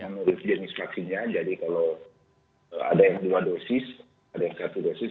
menurut jenis vaksinnya jadi kalau ada yang dua dosis ada yang satu dosis